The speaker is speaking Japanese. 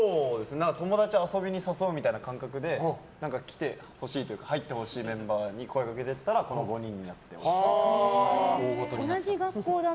友達を遊びに誘うみたいな感覚で来てほしいというか入ってほしいメンバーに声をかけていったらこの５人になってましたね。